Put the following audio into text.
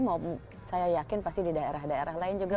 mau saya yakin pasti di daerah daerah lain juga